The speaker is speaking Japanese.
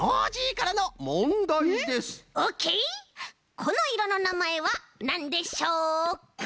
このいろのなまえはなんでしょうか？